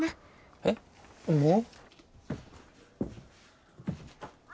えっもう？